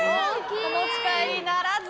お持ち帰りならず！